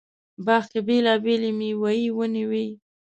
باغ کې بېلابېلې مېوې ونې وې.